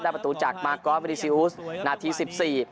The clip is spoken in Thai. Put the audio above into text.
แล้วประตูจากมาร์กอลเวริซิอูสนาทีสิบสี่